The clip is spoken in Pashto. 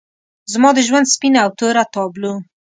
زما د ژوند سپینه او توره تابلو